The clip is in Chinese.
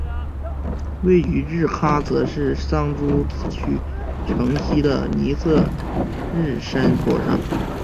位于日喀则市桑珠孜区城西的尼色日山坡上。